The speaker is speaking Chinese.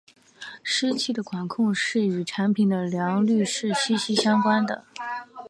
湿气的管控是与产品的良率是息息相关的。